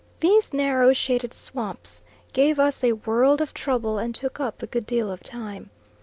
These narrow shaded swamps gave us a world of trouble and took up a good deal of time.